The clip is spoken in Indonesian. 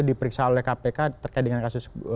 diperiksa oleh kpk terkait dengan kasus